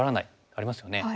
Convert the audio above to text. ありますよね。